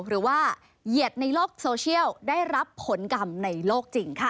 หรือว่าเหยียดในโลกโซเชียลได้รับผลกรรมในโลกจริงค่ะ